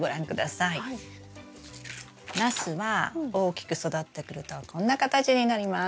ナスは大きく育ってくるとこんな形になります。